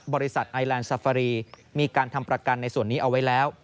บริษัทไอแลนด์ซาฟารีมีการทำประกันในส่วนนี้เอาไว้แล้ว